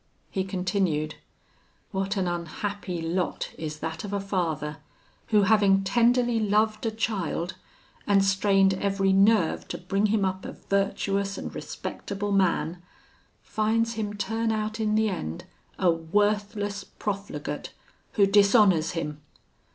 He continued: 'What an unhappy lot is that of a father, who having tenderly loved a child, and strained every nerve to bring him up a virtuous and respectable man, finds him turn out in the end a worthless profligate, who dishonours him.